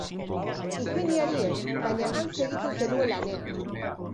Ingeniari ez, baina han segitu zenuen lanean.